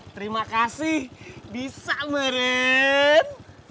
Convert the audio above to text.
terima kasih bisa meren